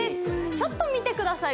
ちょっと見てください